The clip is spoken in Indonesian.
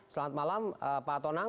selamat malam pak tonang